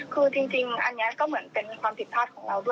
คือจริงอันนี้ก็เหมือนเป็นความผิดพลาดของเราด้วย